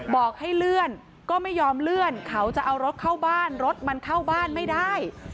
บอกให้เลื่อนก็ไม่ยอมเลื่อนเขาจะเอารถเข้าบ้านรถมันเข้าบ้านไม่ได้